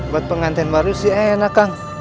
buat penganten baru sih enak kang